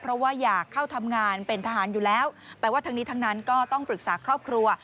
เพราะว่าอยากเข้าทำงานเป็นทหารอยู่แล้วแต่ว่าทั้งนี้ทั้งนั้นก็ต้องปรึกษาครอบครัว